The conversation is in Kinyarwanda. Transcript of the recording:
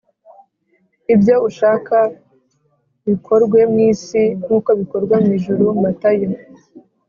Ibyo ushaka bikorwe mu isi nk uko bikorwa mu ijuru Matayo